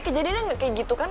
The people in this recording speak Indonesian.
kejadiannya kayak gitu kan